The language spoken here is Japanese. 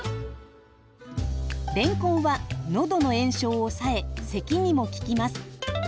れんこんはのどの炎症を抑えせきにも効きます。